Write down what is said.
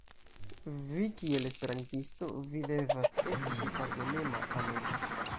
Vi kiel esperantisto, vi devas esti pardonema, amema.